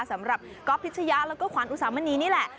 สำหรับก๊อฟพิชยะแล้วก็ขวัญอุสามณีนี่แหละ